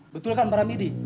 betul kan para midi